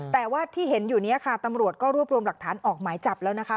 แต่ว่าที่เห็นอยู่นี้ค่ะตำรวจก็รวบรวมหลักฐานออกหมายจับแล้วนะคะ